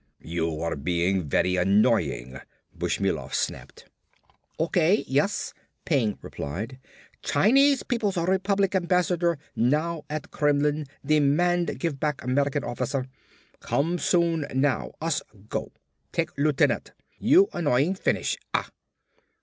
"You are being very annoying," Bushmilov snapped. "O.K., yes," Peng replied. "Chinese People's Republic ambassador now at Kremlin demand give back American officer. Come soon now, us go. Take lieutenant. You annoying finish. Ah!"